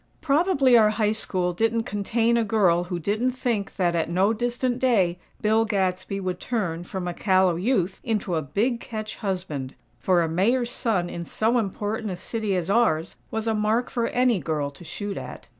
Probably our High School didn't contain a girl who didn't think that, at no distant day, Bill Gadsby would turn, from a callow youth, into a "big catch" husband; for a Mayor's son in so important a city as ours was a mark for any girl to shoot at.